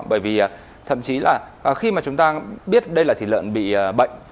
bởi vì thậm chí là khi mà chúng ta biết đây là thịt lợn bị bệnh